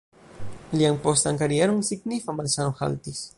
Lian postan karieron signifa malsano haltis.